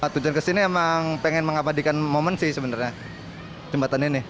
tujuan kesini emang pengen mengabadikan momen sih sebenarnya jembatan ini